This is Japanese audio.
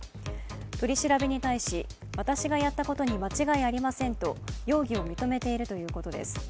取り調べに対し、私がやったことに間違いありませんと容疑を認めているということです。